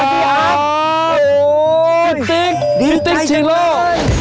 โอ้โฮพี่ติ๊กพี่ติ๊กจริงแล้ว